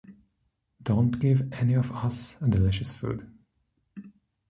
Don't give any of us a delicious food